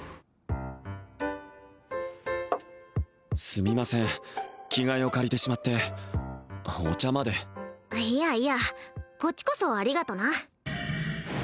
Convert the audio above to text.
すみません着替えを借りてしまってお茶までいやいやこっちこそありがとな